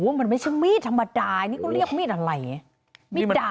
โอ้โหมันไม่ใช่มีดธรรมดานี่ก็เรียกมีดอะไรมีดดาบแล้วไหม